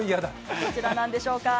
どちらなんでしょうか。